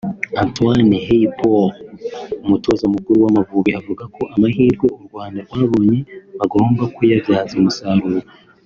Antoine Hey Paul umutoza mukuru w'Amavubi avuga ko amahirwe u Rwanda rwabonye bagomba kuyabyaza umusaruro